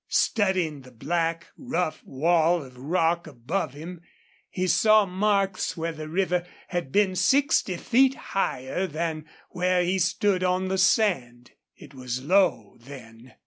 Studying the black, rough wall of rock above him, he saw marks where the river had been sixty feet higher than where he stood on the sand. It was low, then.